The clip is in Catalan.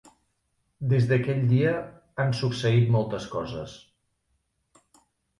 Des d'aquell dia, han succeït moltes coses.